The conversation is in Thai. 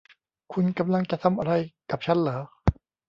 คุณกำลังจะทำอะไรกับฉันหรอ